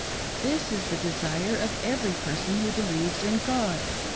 This is the desire of every person who 'believes in God.